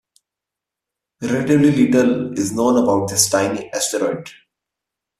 Relatively little is known about this tiny asteroid.